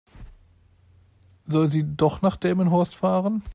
Soll sie doch nach Delmenhorst fahren?